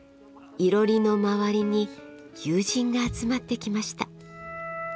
いろりの周りに友人が集まってきました。